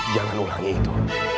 jangan ulangi itu